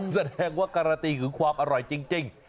แสดงว่าการันตีถึงความอร่อยจริง